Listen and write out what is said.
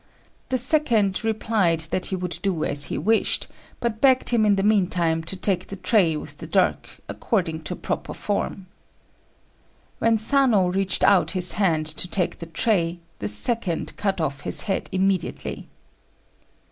The second replied that he would do as he wished, but begged him in the meantime to take the tray with the dirk, according to proper form. When Sanô reached out his hand to take the tray, the second cut off his head immediately.